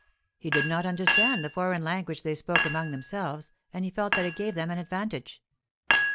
He did not understand the foreign language they spoke among themselves, and he felt that it gave them an advantage.